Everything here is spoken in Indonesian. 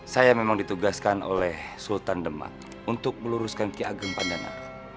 saya memang ditugaskan oleh sultan demak untuk meluruskan ki ageng pandana